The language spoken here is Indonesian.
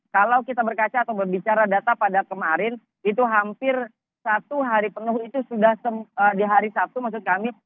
kalau kita berkaca atau berbicara data pada kemarin itu hampir satu hari penuh itu sudah di hari sabtu maksud kami